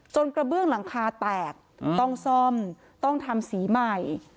กระเบื้องหลังคาแตกต้องซ่อมต้องทำสีใหม่